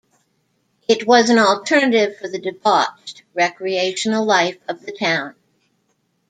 It was "an alternative for the 'debauched' recreational life of the town".